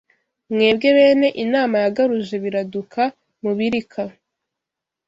Mwebwe bene inama Yagaruje Biraduka mu Birika